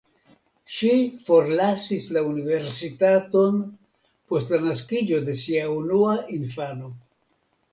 Ŝi forlasis la universitaton post la naskiĝo de sia unua infano.